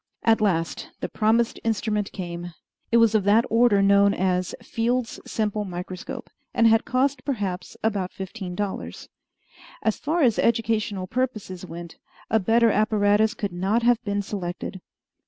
At last the promised instrument came. It was of that order known as Field's simple microscope, and had cost perhaps about fifteen dollars. As far as educational purposes went, a better apparatus could not have been selected.